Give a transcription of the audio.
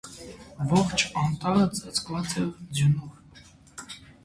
Ողջ անտառը ծածկված էր ձյունով։